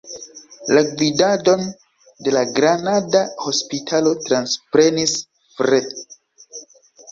La gvidadon de la granada hospitalo transprenis Fr.